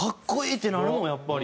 ってなるもんやっぱり。